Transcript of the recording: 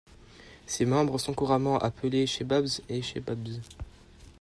Ses membres sont couramment appelés shebabs ou chebabs.